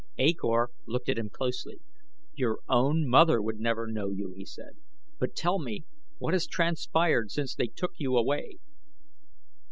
A Kor looked at him closely. "Your own mother would never know you!" he said; "but tell me, what has transpired since they took you away?"